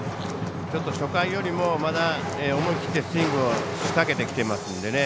初回よりも思い切ってスイングを仕掛けてきてますので。